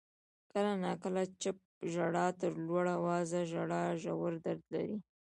• کله ناکله چپ ژړا تر لوړ آوازه ژړا ژور درد لري.